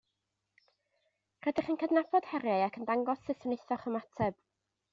Rydych yn cydnabod heriau ac yn dangos sut wnaethoch ymateb